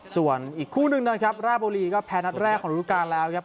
ส่วนอีกคู่หนึ่งนะครับราบุรีก็แพ้นัดแรกของฤดูการแล้วครับ